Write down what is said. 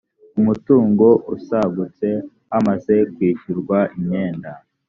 umutungo usagutse hamaze kwishyurwa imyenda